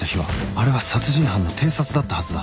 あれは殺人犯の偵察だったはずだ